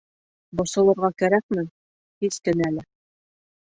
Борсолорға кәрәкме? һис кенә лә.